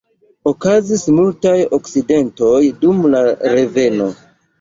Okazis multaj akcidentoj dum la reveno.